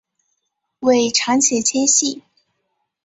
尾长且纤细。